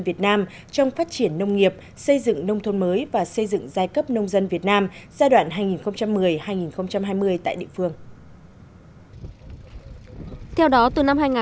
việt nam trong phát triển nông nghiệp xây dựng nông thôn mới và xây dựng giai cấp nông dân việt nam giai đoạn hai nghìn một mươi hai nghìn hai mươi tại địa phương